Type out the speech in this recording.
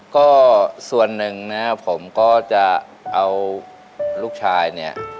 ก็ส่วนหนึ่งนะครับผมก็จะเอาลูกชายเนี่ย